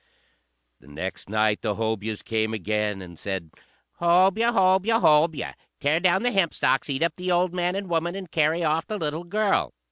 The next night the Hobyahs came again, and said, "Hobyah! Hobyah! Hobyah! Tear down the hempstalks, eat up the old man and woman, and carry off the little girl!"